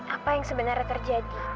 apa yang sebenarnya terjadi